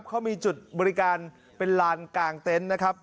เขามีจุดบริการเป็นลานกลางเต็นต์นะครับ